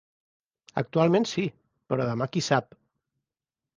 Actualment sí, però demà qui sap.